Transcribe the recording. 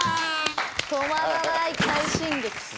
止まらない快進撃。